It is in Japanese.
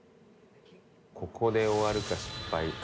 ここで終わるか失敗か。